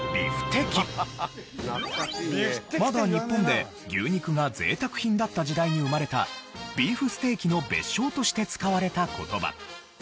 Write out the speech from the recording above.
まだ日本で牛肉が贅沢品だった時代に生まれたビーフステーキの別称として使われた言葉。